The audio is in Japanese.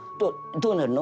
どうなるの？